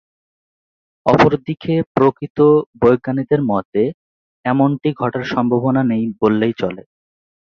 অপরদিকে প্রকৃত বিজ্ঞানীদের মতে এমনটি ঘটার সম্ভাবনা নেই বললেই চলে।